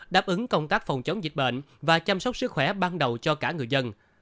đáp ứng công tác phòng chống dịch bệnh và chăm sóc sức khỏe ban đầu cho cả người dân